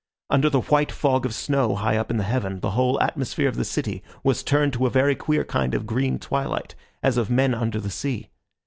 Under the white fog of snow high up in the heaven the whole atmosphere of the city was turned to a very queer kind of green twilight, as of men under the sea.